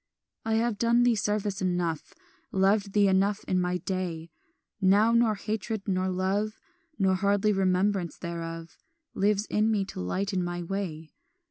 "I have done thee service enough, Loved thee enough in my day; Now nor hatred nor love Nor hardly remembrance thereof Lives in me to lighten my way.